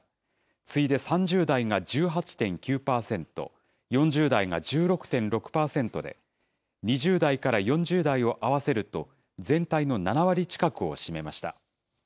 次いで３０代が１８．９％、４０代が１６．６％で、２０代から４０代を合わせると全体の７割近くを占めました。